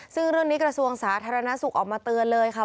ซึ่งเรื่องนี้กระทรวงสาธารณสุขออกมาเตือนเลยค่ะ